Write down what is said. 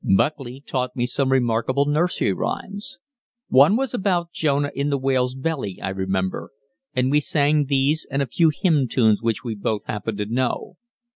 Buckley taught me some remarkable nursery rhymes. One was about Jonah in the whale's belly, I remember; and we sang these and a few hymn tunes which we both happened to know.